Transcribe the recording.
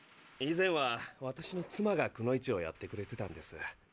以前は私の妻がクノイチをやってくれてたんです。